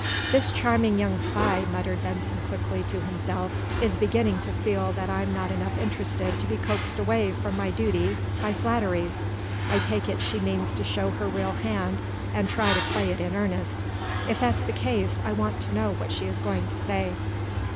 "This charming young spy," muttered Benson quickly, to himself, "is beginning to feel that I'm not enough interested to be coaxed away from my duty by flatteries. I take it she means to show her real hand, and try to play it in earnest. If that's the case, I want to know what she is going to say."